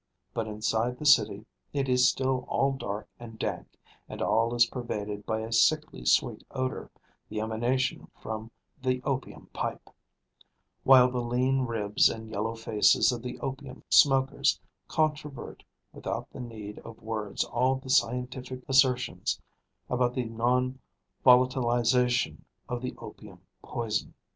But inside the city it is still all dark and dank, and all is pervaded by a sickly sweet odour, the emanation from the opium pipe; while the lean ribs and yellow faces of the opium smokers controvert without the need of words all the scientific assertions about the non volatilisation of the opium poison.